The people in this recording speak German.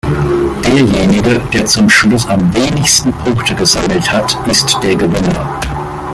Derjenige, der zum Schluss am wenigsten Punkte gesammelt hat, ist der Gewinner.